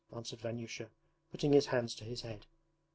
answered Vanyusha, putting his hands to his head.